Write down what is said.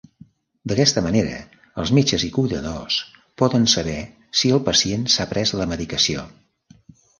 D’aquesta manera els metges i cuidadors poden saber si el pacient s’ha pres la medicació.